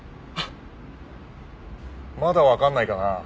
まだわかんないかな？